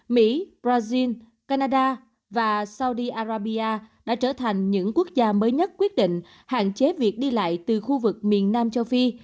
mỹ brazil canada và saudi arabia đã trở thành những quốc gia mới nhất quyết định hạn chế việc đi lại từ khu vực miền nam châu phi